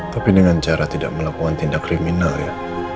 tapi dengan cara tidak melakukan tindak kriminal ya